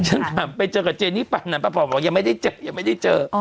ฉันถามไปเจอกับเจนี่ปานั่นป่าบอกว่ายังไม่ได้เจอยังไม่ได้เจอ